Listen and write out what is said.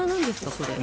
これ。